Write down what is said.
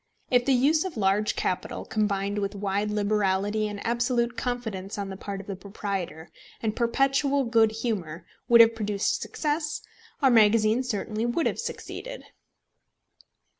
If the use of large capital, combined with wide liberality and absolute confidence on the part of the proprietor, and perpetual good humour, would have produced success, our magazine certainly would have succeeded.